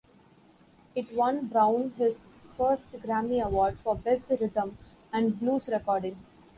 It won Brown his first Grammy Award, for Best Rhythm and Blues Recording.